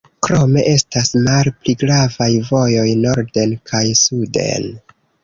Krome estas malpli gravaj vojoj norden kaj suden.